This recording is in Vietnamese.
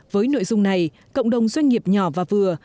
với nội dung này cộng đồng doanh nghiệp nhỏ và vừa